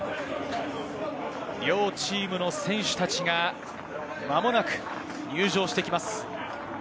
両チームの選手たちがまもなく入場してきます。